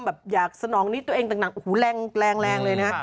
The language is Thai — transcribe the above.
แบบอยากสนองนิดตัวเองต่างโอ้โหแรงแรงเลยนะ